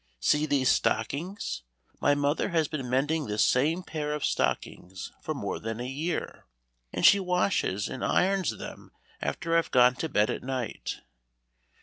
See these stockings! My mother has been mending this same pair of stockings for more than a year, and she washes and irons them after I've gone to bed at night.